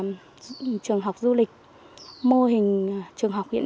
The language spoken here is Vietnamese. mô hình trường học du lịch là mô hình trường học du lịch